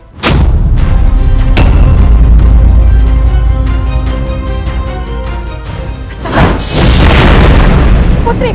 jangan lupa like share dan subscribe